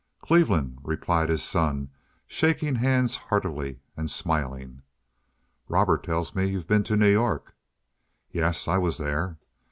"Cleveland," replied his son, shaking hands heartily, and smiling. "Robert tells me you've been to New York." "Yes, I was there."